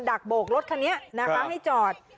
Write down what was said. ักโบกรถคันนี้นะคะให้จอด